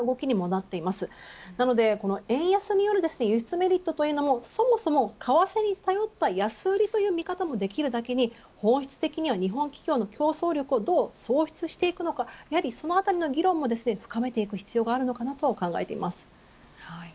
なので円安による輸出メリットはそもそも為替に頼った安売りという見方もできるだけに本質的には日本企業の競争力をどう創出していくのかそのあたりの議論も深めていく必要があると考えます。